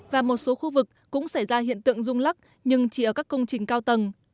và một số khu vực cũng xảy ra hiện tượng rung lắc nhưng chỉ ở các công trình cao tầng